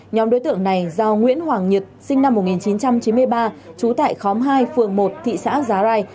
nhóm đối tượng này do nguyễn hoàng nhật sinh năm một nghìn chín trăm chín mươi ba trú tại khóm hai phường một thị xã giá rai